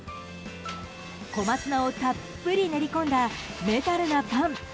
小松菜をたっぷり練り込んだメタルなパン。